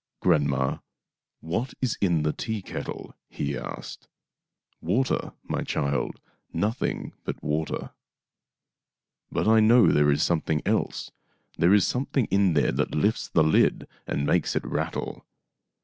" Grandma, what is in the teakettle ?" he asked. " Water, my child — nothing but water." " But I know there is something else. There is something in there that lifts the lid and makes it rattle."